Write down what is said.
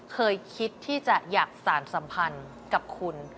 เคยคิดที่จะอยากสารสัมพันธ์กับคุณ